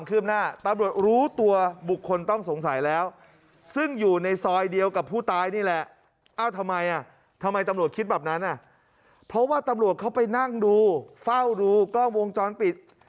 เพราะว่าตำรวจเข้าไปนั่งดูเฝ้าดูกล้องวงจรปิด